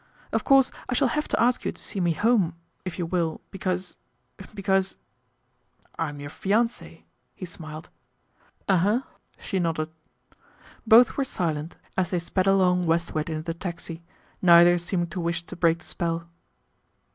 Of course I shall have to ask you to see me home, if you will, because because " "I'm your fiance," he smiled. " Ummm," she nodded. Both were silent as they sped along westward in the taxi, neither seeming to wish to break the spell.